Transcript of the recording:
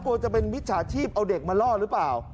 กลัวจะเป็นมิจฉาชีพเอาเด็กมาล่อหรือเปล่า